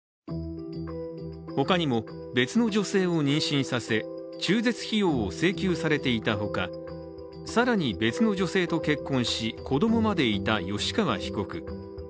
他にも、別の女性を妊娠させ中絶費用を請求されていたほか更に別の女性と結婚し子供までいた吉川被告。